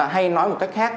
hay nói một cách khác